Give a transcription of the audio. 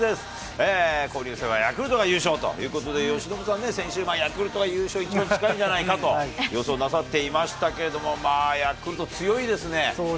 交流戦はヤクルトが優勝ということで由伸さん、先週ヤクルトが優勝に一番近いんじゃないかと予想していましたけれども、ヤクルト強いですね。